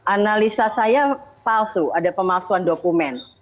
analisa saya palsu ada pemalsuan dokumen